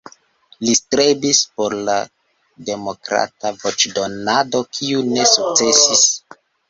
Li strebis por la demokrata voĉdonado, kiu ne sukcesis.